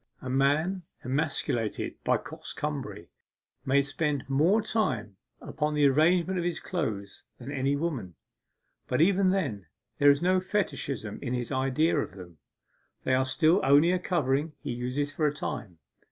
A man emasculated by coxcombry may spend more time upon the arrangement of his clothes than any woman, but even then there is no fetichism in his idea of them they are still only a covering he uses for a time.